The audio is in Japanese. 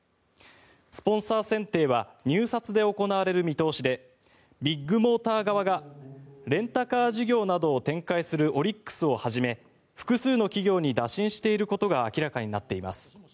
スポンサー選定は入札で行われる見通しでビッグモーター側がレンタカー事業などを展開するオリックスをはじめ複数の企業に打診していることが明らかになっています。